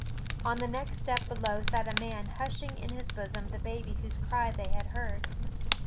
On the next step below sat a man hushing in his bosom the baby whose cry they had heard.